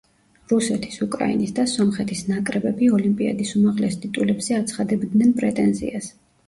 რუსეთის, უკრაინის და სომხეთის ნაკრებები ოლიმპიადის უმაღლეს ტიტულებზე აცხადებდნენ პრეტენზიას.